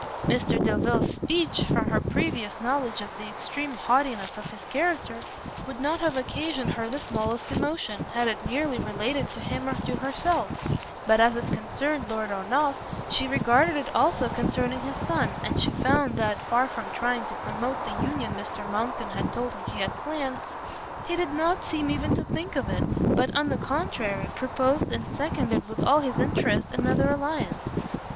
Mr Delvile's speech, from her previous knowledge of the extreme haughtiness of his character, would not have occasioned her the smallest emotion, had it merely related to him or to herself; but as it concerned Lord Ernolf, she regarded it as also concerning his son, and she found that, far from trying to promote the union Mr Monckton had told her he had planned, he did not seem even to think of it, but, on the contrary, proposed and seconded with all his interest another alliance.